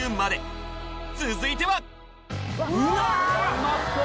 うまっそう！